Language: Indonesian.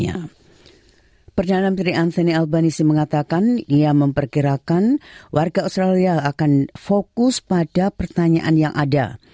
yang memperkirakan warga australia akan fokus pada pertanyaan yang ada